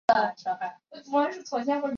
首府贾利拉巴德。